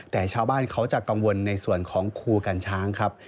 แต่ชาวบ้านเขาจะกังวลในส่วนของครูกัญช้างครับ